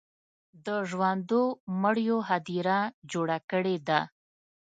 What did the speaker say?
د ژوندو مړیو هدیره جوړه کړې ده.